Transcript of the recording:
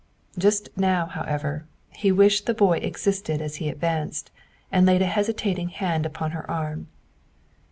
Just now, however, he wished the boy existed as he advanced and laid a hesitating hand upon her arm.